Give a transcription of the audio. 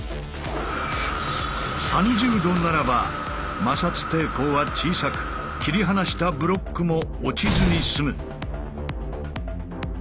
３０°ならば摩擦抵抗は小さく切り離したブロックも落ちずに済む。